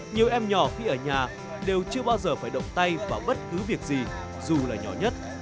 nhiều em nhỏ khi ở nhà đều chưa bao giờ phải động tay vào bất cứ việc gì dù là nhỏ nhất